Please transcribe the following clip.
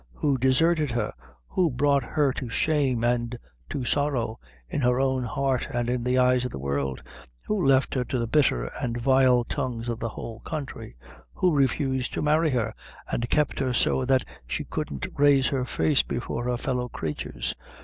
Who deserted her who brought her to shame, an' to sorrow, in her own heart an' in the eyes of the world? Who left her to the bitter and vile tongues of the whole counthry? Who refused to marry her, and kept her so that she couldn't raise her face before her fellow cratures?